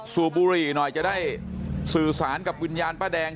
สูบบุหรี่หน่อยจะได้สื่อสารกับวิญญาณป้าแดง